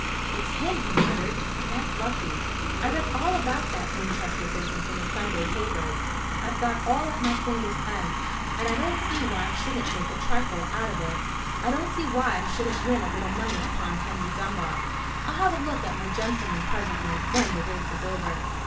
"It's him," he muttered; "that's lucky. I read all about that Winchester business in the Sunday papers. I've got it all at my fingers' ends, and I don't see why I shouldn't make a trifle out of it. I don't see why I shouldn't win a little money upon Henry Dunbar. I'll have a look at my gentleman presently, when the race is over."